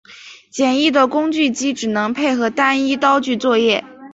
简易的工具机只能配合单一刀具作业。